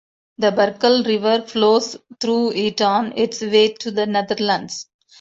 The Berkel river flows through it on its way to the Netherlands.